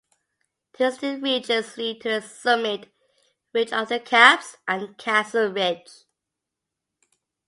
Two distinct ridges lead to its summit: Ridge of the Caps and Castle Ridge.